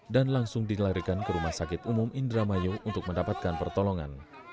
dan langsung dilarikan ke rumah sakit umum indramayu untuk mendapatkan pertolongan